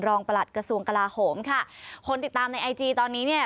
ประหลัดกระทรวงกลาโหมค่ะคนติดตามในไอจีตอนนี้เนี่ย